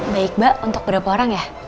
baik mbak untuk berapa orang ya